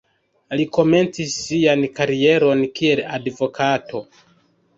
Li komencis sian karieron kiel advokato.